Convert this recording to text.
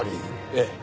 ええ。